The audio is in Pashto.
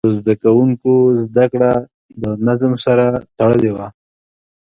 د زده کوونکو زده کړه د نظم سره تړلې وه.